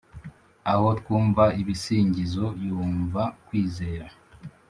aho twumva ibisingizo yumva kwizera